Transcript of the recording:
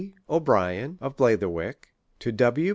O'Brien, of Blatherwick ; to W.